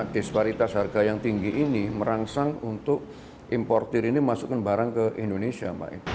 disparitas harga yang tinggi ini merangsang untuk importir ini masukkan barang ke indonesia